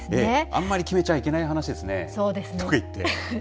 あんまり決めちゃいけない話ですね。とかいって。